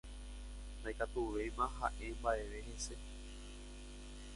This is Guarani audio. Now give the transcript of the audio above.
Ndaikatuvéima ha'e mba'eve hese.